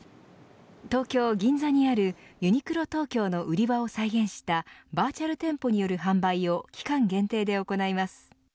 東京、銀座にあるＵＮＩＱＬＯＴＯＫＹＯの売り場を再現したバーチャル店舗による販売を期間限定で行います。